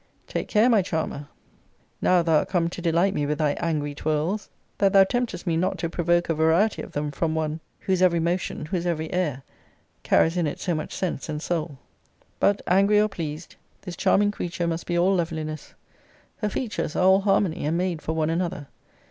Take care, my charmer, now thou art come to delight me with thy angry twirls, that thou temptest me not to provoke a variety of them from one, whose every motion, whose every air, carries in it so much sense and soul. But, angry or pleased, this charming creature must be all loveliness. Her features are all harmony, and made for one another.